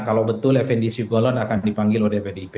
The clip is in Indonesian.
kalau betul fdi syukur lot akan dipanggil oleh fdip